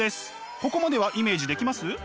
ここまではイメージできます？